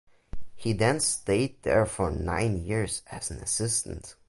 He then stayed there for nine years as an assistant.